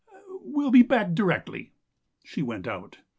will be back directly.' "She went out.